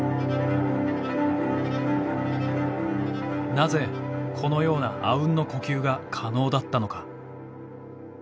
なぜこのようなあうんの呼吸が可能だったのか。